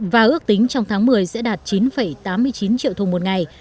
và ước tính trong tháng một mươi sẽ đạt chín tám mươi chín triệu thùng một ngày